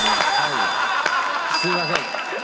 すみません。